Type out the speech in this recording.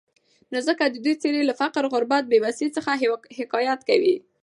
نو ځکه د دوي څېرې له فقر، غربت ، بېوسي، څخه حکايت کوي.